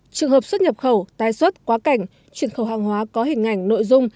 trường hợp xuất nhập khẩu tai xuất quá cảnh chuyển khẩu hàng hóa có hình ảnh nội dung